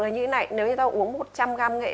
là như thế này nếu như ta uống một trăm linh gram nghệ